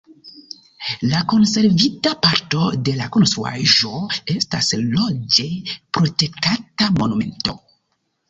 La konservita parto de la konstruaĵo estas leĝe protektata monumento.